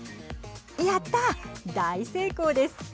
やった、大成功です。